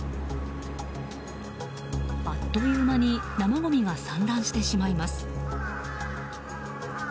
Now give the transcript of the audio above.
あっという間に生ごみが散乱してしまいます。